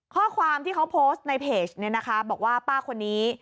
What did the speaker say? ข้อความที่เขาโพสต์ในเพจเนี่ยนะคะบอกว่าป้าคนนี้